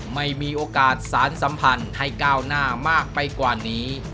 ไม่มีโอกาสสารสัมพันธ์ให้ก้าวหน้ามากไปกว่านี้